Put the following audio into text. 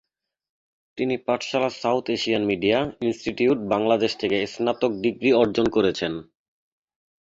তিনি Pathshala South Asian Media Institute Bangladesh থেকে স্নাতক ডিগ্রি অর্জন করেছেন।